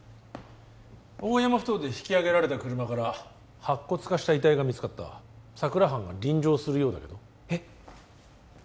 大山ふ頭で引きあげられた車から白骨化した遺体が見つかった佐久良班が臨場するようだけどえっ？